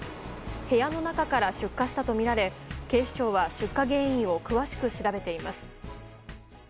部屋の中から出火したとみられ警視庁は出火原因を詳しく調べています。